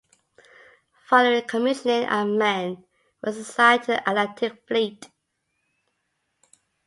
Following commissioning, "Ammen" was assigned to the Atlantic Fleet.